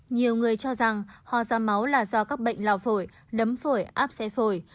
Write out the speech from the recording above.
nhiều người cho rằng hoa da máu là do các bệnh lào phổi đấm phổi áp xe phổi